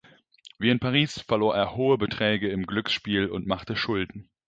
Wie in Paris verlor er hohe Beträge im Glücksspiel und machte Schulden.